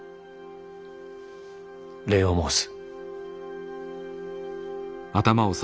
礼を申す。